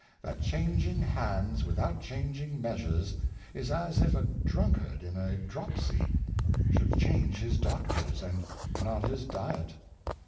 That changing Hands without changing Measures, is as if a Druntcard in a Dropsey should change his 2)oc^pr«, and Jiot his Dyet.